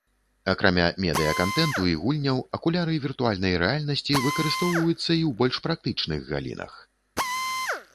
Акрамя медыя-кантэнту і гульняў, акуляры віртуальнай рэальнасці выкарыстоўваюцца і ў больш практычных галінах.